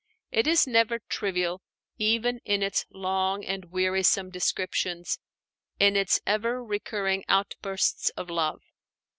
It is never trivial, even in its long and wearisome descriptions, in its ever recurring outbursts of love.